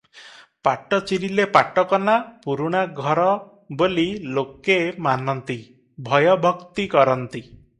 ପାଟ ଚିରିଲେ ପାଟ କନା, ପୁରୁଣା ଘର ବୋଲି ଲୋକେ ମାନନ୍ତି, ଭୟ ଭକ୍ତି କରନ୍ତି ।